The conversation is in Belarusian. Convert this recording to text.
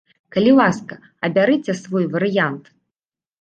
Калі ласка, абярыце свой варыянт.